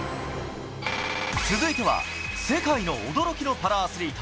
続いては世界の驚きのパラアスリート。